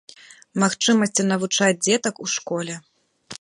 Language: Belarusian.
Магчымасці навучаць дзетак у школе.